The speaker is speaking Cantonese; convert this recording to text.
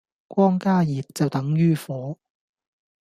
光加熱就等於火